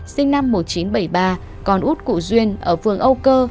sinh năm một nghìn chín trăm bảy mươi ba con út cụ duyên ở phường âu cơ